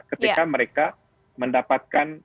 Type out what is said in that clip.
ketika mereka mendapatkan